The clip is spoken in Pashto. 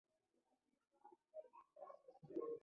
په یو سوه پنځوس میلادي کال کې نفوس پنځه څلوېښت زرو ته ورسېد